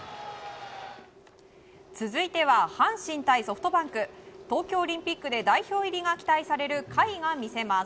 続いては阪神対ソフトバンク。東京オリンピックで代表入りが期待される甲斐がみせます。